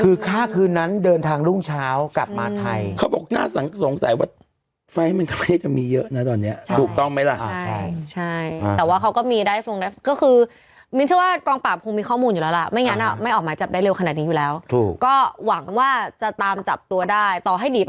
คือข้าคืนนั้นเดินทางรุ่งเช้ากลับมาไทย